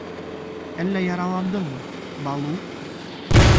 — Әллә яраландыңмы, Балу?